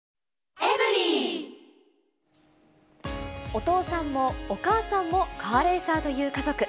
お父さんもお母さんもカーレーサーという家族。